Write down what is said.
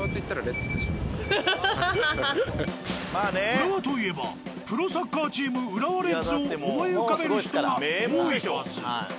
浦和といえばプロサッカーチーム浦和レッズを思い浮かべる人が多いはず。